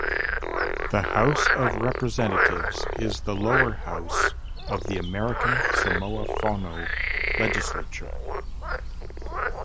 The House of Representatives is the lower house of the American Samoa Fono (legislature).